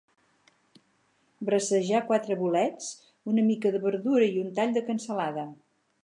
Brasejar quatre bolets, una mica de verdura i un tall de cansalada.